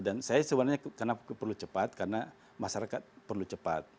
dan saya sebenarnya karena perlu cepat karena masyarakat perlu cepat